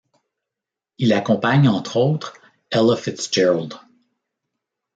Il accompagne entre autres, Ella Fitzgerald.